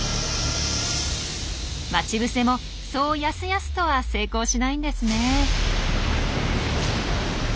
待ち伏せもそうやすやすとは成功しないんですね。